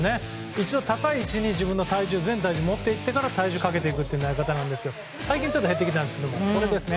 一度高い位置に自分の全体重を持っていってから体重をかけていくやり方ですが最近、ちょっと減ってきたんですけどね。